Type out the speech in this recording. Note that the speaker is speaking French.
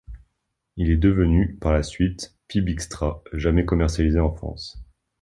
Il est devenu par la suite Pibb Xtra, jamais commercialisé en France.